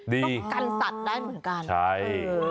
ต้องกันสัตว์ได้เหมือนกันใช่